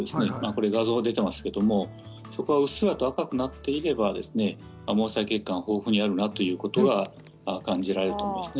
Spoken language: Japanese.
画像で見えていますがうっすら赤くなっていれば毛細血管が豊富にあるなということが感じられると思います。